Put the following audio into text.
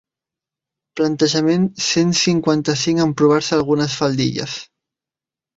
Plantejament cent cinquanta-cinc emprovar-se algunes faldilles.